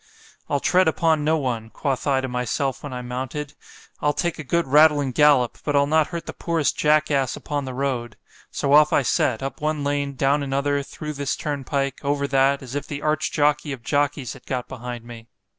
—I'll tread upon no one——quoth I to myself when I mounted——I'll take a good rattling gallop; but I'll not hurt the poorest jack ass upon the road.——So off I set——up one lane——down another, through this turnpike——over that, as if the arch jockey of jockeys had got behind me.